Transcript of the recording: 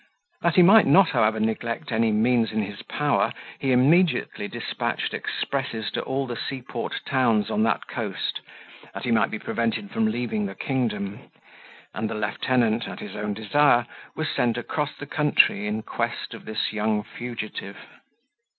That he might not, however, neglect any means in his power, he immediately despatched expresses to all the sea port towns on that coast, that he might be prevented from leaving the kingdom; and the lieutenant, at his own desire, was sent across the country, in quest of this young fugitive.